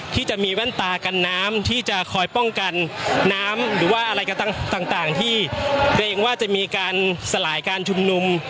ที่จะมีแว่นตากันน้ำที่จะคอยป้องกันน้ำหรือว่าอะไรกันต่างที่เกรงว่าจะมีการสลายการชุมนุม